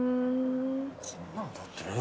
こんなんだってね。